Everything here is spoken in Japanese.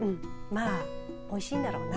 おいしいんだろうな。